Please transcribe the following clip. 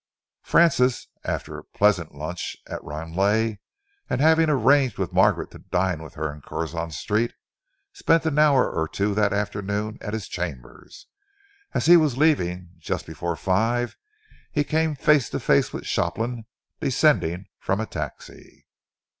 Francis, after a pleasant lunch at Ranelagh, and having arranged with Margaret to dine with her in Curzon Street, spent an hour or two that afternoon at his chambers. As he was leaving, just before five, he came face to face with Shopland descending from a taxi.